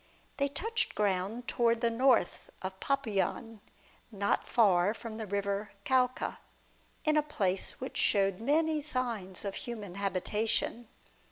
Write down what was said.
They touched ground towards the north of Popuyan, not far from the river Cauca, in a place which showed many signs of human habitation.